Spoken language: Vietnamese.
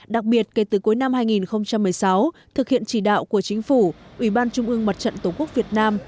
đặc biệt kể từ cuối năm hai nghìn một mươi sáu thực hiện chỉ đạo của chính phủ ủy ban trung ương mặt trận tổ quốc việt nam